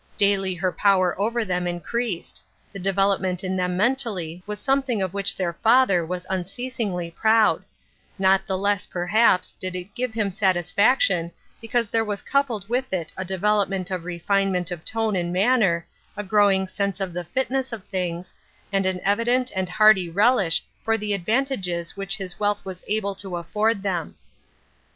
Daily her power over them increased ; the development in them men tally was something of which their father was unceasingly proud ; not the less, perhaps, did it give him satisfaction because there was coupled with it a development of refinement of tone and manner, a growing sense of the fitness of things, and an evident and hearty relish for the advan tages wliich his wealth was able to afford them.